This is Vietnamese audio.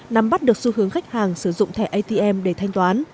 nắm bắt được xu hướng khách hàng sử dụng thẻ atm để thanh toán